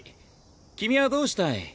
君はどうしたい？